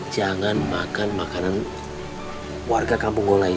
jangan makan makanan warga kampung gulai